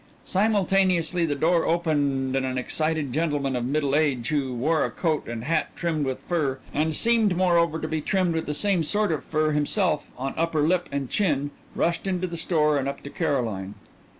Simultaneously the door opened and an excited gentleman of middle age who wore a coat and hat trimmed with fur, and seemed, moreover, to be trimmed with the same sort of fur himself on upper lip and chin, rushed into the store and up to Caroline.